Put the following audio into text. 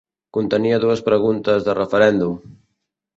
Contenia dues preguntes de referèndum.